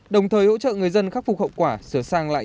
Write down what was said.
để giúp người dân khắc phục hậu quả sau bão